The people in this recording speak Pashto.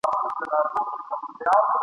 د شته من په کور کي غم دوی ته مېله وه !.